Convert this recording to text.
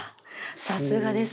さすがです。